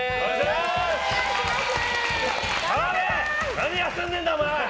何休んでんだ、お前！